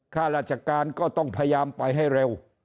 ข้าราชการก็ต้องพยายามไปให้เร็ว